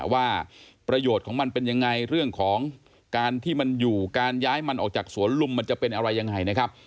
ว่าประโยชน์ของมันเป็นยังไงเรื่องของการที่มันอยู่การย้ายมันออกจากสวนลุมมันจะเป็นอะไรยังไงนะครับ